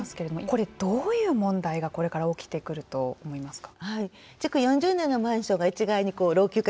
これどういう問題がこれから起きてくると思いますか。